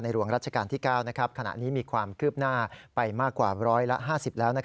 หลวงรัชกาลที่๙ขณะนี้มีความคืบหน้าไปมากกว่าร้อยละ๕๐แล้ว